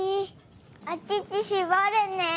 おちちしぼるね。